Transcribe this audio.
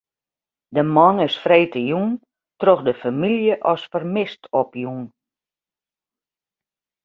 De man is freedtejûn troch de famylje as fermist opjûn.